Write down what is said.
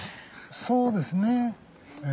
そうですねえ。